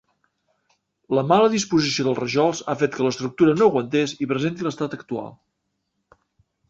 La mala disposició dels rajols ha fet que l'estructura no aguantés i presenti l'estat actual.